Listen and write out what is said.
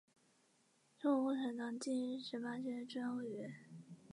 中国共产党第十八届中央委员。